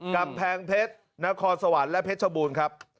กำแพงเพชรนครสวรรค์และเพชรบูรณ์ครับ